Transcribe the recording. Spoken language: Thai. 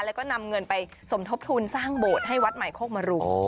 แล้วก็นำเงินไปสมทบทุนสร้างโบสถ์ให้วัดใหม่โคกมรุม